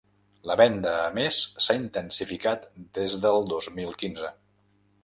La venda, a més, s’ha intensificat des del dos mil quinze.